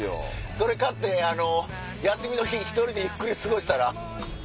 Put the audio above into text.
それ買って休みの日１人でゆっくり過ごしたら？